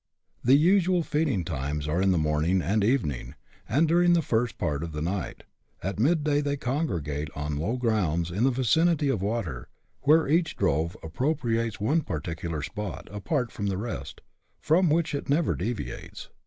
The usual feeding times are in the morning and evening, and during the first part of the night ; at mid day they congregate on the low grounds in the vicinity of water, where each drove appropriates one particular spot, apart from the rest, from which it never deviates.